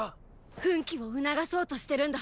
奮起を促そうとしてるんだ！